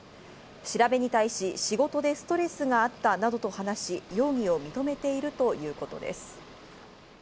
調べに対し、仕事でストレスがあったなどと話し、容疑を認めているということです。